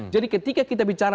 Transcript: jadi ketika kita bicara